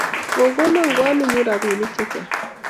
Ko kona kwaninyu rabinik che chang